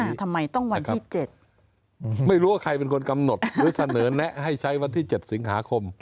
ทำไมต้องวันที่๗ไม่รู้ว่าใครเป็นคนกำหนดหรือเสนอแนะให้ใช้วันที่๗สิงหาคม